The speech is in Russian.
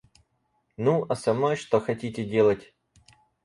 Ну, а со мной что хотите делать?